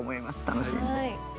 楽しんで。